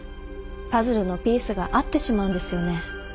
パズルのピースが合ってしまうんですよね。